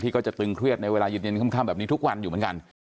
ก็จะตึงเครียดในเวลาเย็นค่ำแบบนี้ทุกวันอยู่เหมือนกัน